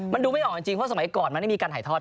มันดูไม่ออกจริงเพราะสมัยก่อนมันได้มีการถ่ายทอด